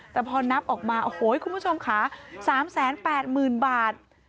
แต่พอนับออกมาโอ้โหคุณผู้ชมค่ะ๓๘๐๐๐บาท